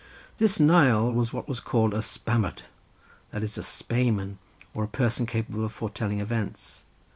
This Nial was what was called a spámadr, that is, a spaeman or a person capable of foretelling events.